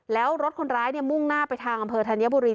แล้วรถคนร้ายมุ่งหน้าไปทางอำเภอธัญบุรี